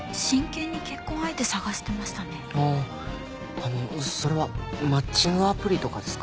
あのそれはマッチングアプリとかですか？